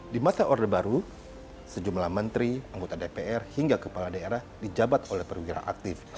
di masa orde baru sejumlah menteri anggota dpr hingga kepala daerah dijabat oleh perwira aktif